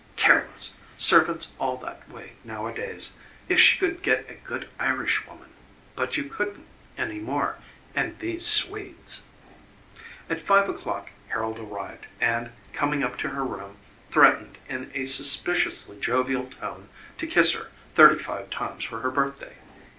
Careless! Servants all that way nowadays. If she could get a good Irishwoman but you couldn't any more and these Swedes At five o'clock Harold arrived and, coming up to her room, threatened in a suspiciously jovial tone to kiss her thirty five times for her birthday.